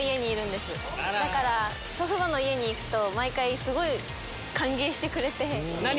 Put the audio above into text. だから祖父母の家に行くと毎回すごい歓迎してくれて。